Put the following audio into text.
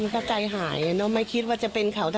ก็ใจหายเนอะไม่คิดว่าจะเป็นเขา